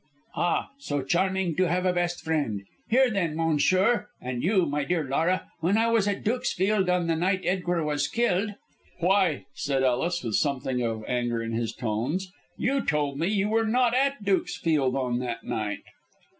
"Ah! so charming to have a best friend. Hear, then, monsieur, and you, my dear Laura. When I was at Dukesfield on the night Edgar was killed " "Why," said Ellis, with something of anger in his tones, "you told me you were not at Dukesfield on that night."